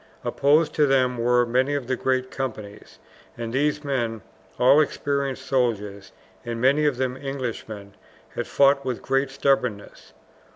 Opposed to them were many of the great companies, and these men, all experienced soldiers and many of them Englishmen, had fought with great stubbornness.